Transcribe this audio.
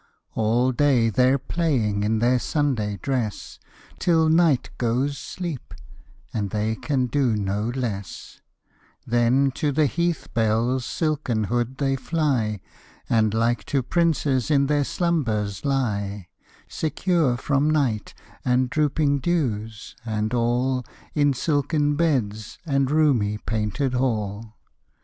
All day they're playing in their Sunday dress Till night goes sleep, and they can do no less; Then, to the heath bell's silken hood they fly, And like to princes in their slumbers lie, Secure from night, and dropping dews, and all, In silken beds and roomy painted hall.